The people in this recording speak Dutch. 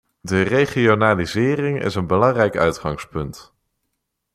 De regionalisering is een belangrijk uitgangspunt.